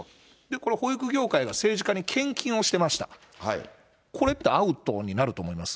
これ、保育業界が政治家に献金をしてました、これってアウトになると思います？